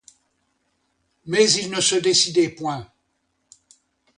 Mais il ne se décidait point.